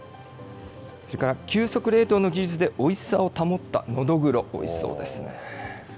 それから急速冷凍の技術でおいしさを保ったのどぐろ、おいしそうですね。